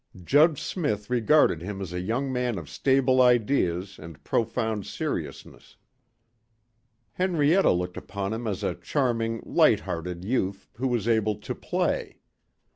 Judge Smith regarded him as a young man of stable ideas and profound seriousness. Henrietta looked upon him as a charming, light hearted youth who was able "to play."